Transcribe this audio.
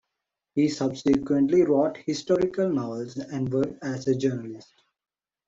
He subsequently wrote historical novels and worked as a journalist.